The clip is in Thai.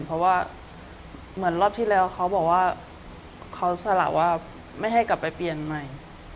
เพราะว่าเหมือนรอบที่แล้วเขาบอกว่าเขาสละว่าไม่ให้กลับไปเปลี่ยนใหม่